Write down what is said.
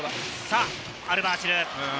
アルバーシル。